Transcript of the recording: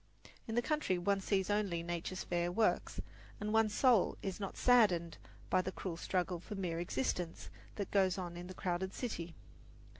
In the country one sees only Nature's fair works, and one's soul is not saddened by the cruel struggle for mere existence that goes on in the crowded city.